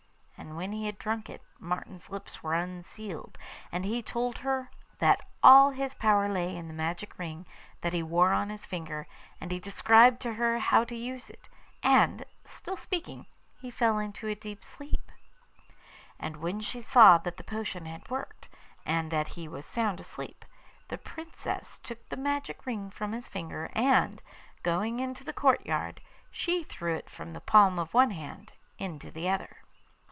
And when he had drunk it Martin's lips were unsealed, and he told her that all his power lay in the magic ring that he wore on his finger, and he described to her how to use it, and, still speaking, he fell into a deep sleep. And when she saw that the potion had worked, and that he was sound asleep, the Princess took the magic ring from his finger, and, going into the courtyard, she threw it from the palm of one hand into the other.